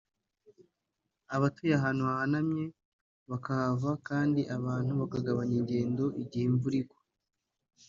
abatuye ahantu hahanamye bakahava kandi abantu bakagabanya ingendo igihe imvura igwa